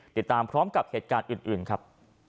ติดตามพร้อมกับเหตุการณ์อื่นครับ